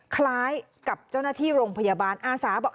คล้ายกับเจ้าหน้าที่โรงพยาบาลอาสาบอก